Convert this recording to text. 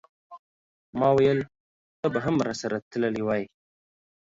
ماویل ته به هم راسره تللی وای.